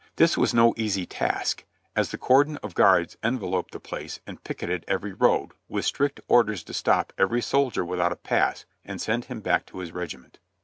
This was no easy task, as the cordon of guards enveloped the place and picketed every road, with strict orders to stop every soldier without a pass and send him back to his regiment.